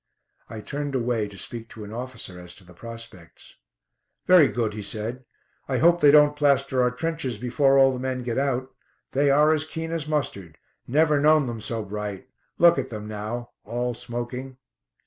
I turned away to speak to an officer as to the prospects. "Very good," he said. "I hope they don't plaster our trenches before all the men get out. They are as keen as mustard. Never known them so bright. Look at them now; all smoking."